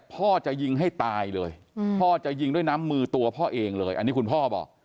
พ่อจะยิงให้ตายเลยพ่อจะยิงด้วยน้ำมือตัวพ่อเองเลยอันนี้คุณพ่อบอก